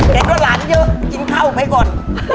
เก่งกับหลานเยอะกินข้าวไหมก่อน